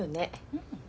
うん。